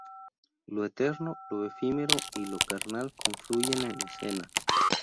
Lo eterno, lo efímero y lo carnal confluyen en escena.